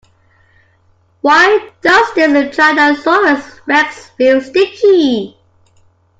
Why does this tyrannosaurus rex feel sticky?